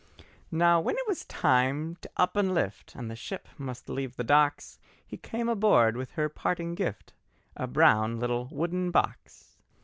Now when it was time to up and lift, And the ship must leave the docks, He came aboard with her parting gift, A brown little wooden box.